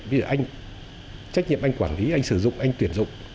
bây giờ anh trách nhiệm anh quản lý anh sử dụng anh tuyển dụng